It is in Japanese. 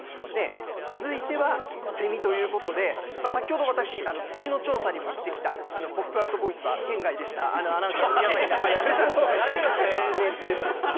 続いてはセミということで先程、私土の調査にも行ってきたポップアウトボイス調査は圏外でしたアナウンサーの宮崎です。